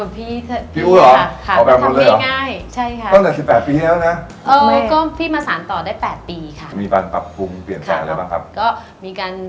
พูดถึงการตกแต่งกะท้านนะเพ้อเด็กวาวครับ